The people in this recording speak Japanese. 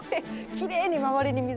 きれいに周りに水が。